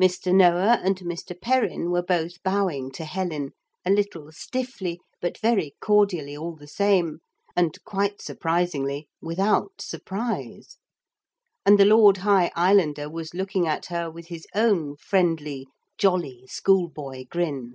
Mr. Noah and Mr. Perrin were both bowing to Helen, a little stiffly but very cordially all the same, and quite surprisingly without surprise. And the Lord High Islander was looking at her with his own friendly jolly schoolboy grin.